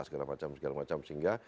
segala macam segala macam sehingga